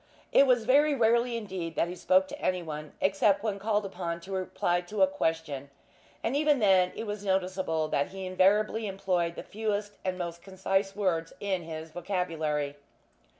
It was very rarely indeed that he spoke to anyone, except when called upon to reply to a question; and even then it was noticeable that he invariably employed the fewest and most concise words in his vocabulary.